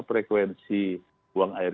frekuensi buang air